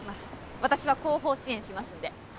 私は後方を支援しますんで。